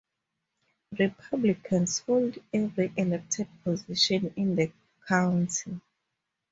Republicans hold every elected position in the county.